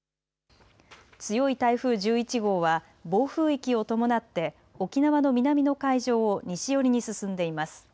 強い台風１１号は暴風域を伴って沖縄の南の海上を西寄りに進んでいます。